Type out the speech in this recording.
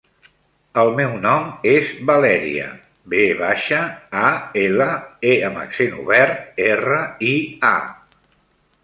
El meu nom és Valèria: ve baixa, a, ela, e amb accent obert, erra, i, a.